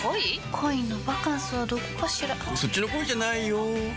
恋のバカンスはどこかしらそっちの恋じゃないよ